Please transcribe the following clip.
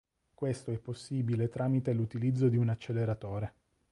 Questo è possibile tramite l'utilizzo di un acceleratore.